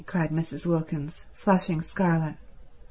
cried Mrs. Wilkins, flushing scarlet.